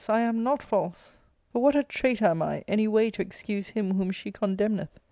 I am not false. But what a traitor am I anyway to excuse him whom she condemneth !